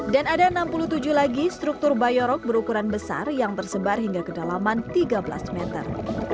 dan ada enam puluh tujuh lagi struktur bayorok berukuran besar yang tersebar hingga kedalaman tiga belas meter